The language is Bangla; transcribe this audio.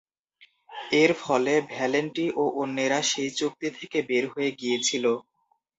এর ফলে, ভ্যালেন্টি ও অন্যেরা সেই চুক্তি থেকে বের হয়ে গিয়েছিল।